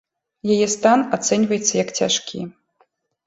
Яе стан ацэньваецца як цяжкі.